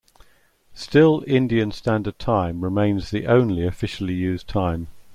Still Indian Standard Time remains the only officially used time.